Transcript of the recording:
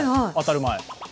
当たる前。